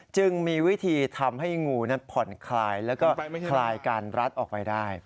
จึงมีวิธีทำให้งูนั้นผ่อนคลายแล้วก็คลายการรัดออกไปได้